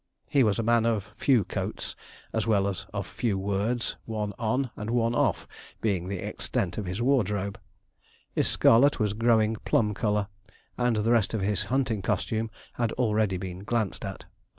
He was a man of few coats, as well as of few words; one on, and one off, being the extent of his wardrobe. His scarlet was growing plum colour, and the rest of his hunting costume has been already glanced at.